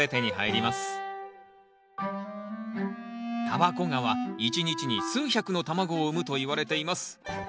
タバコガは一日に数百の卵を産むといわれています。